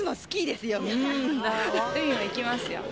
海も行きますよ。